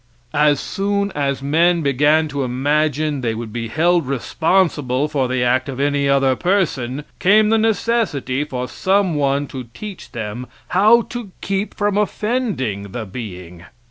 As soon as men began to imagine they would be held responsible for the act of any other person, came the necessity for some one to teach them how to keep from offending the being.